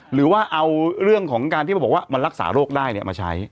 หรือว่าเอาเรื่องของการที่บอกว่ามันรักษาโรคได้มาใช้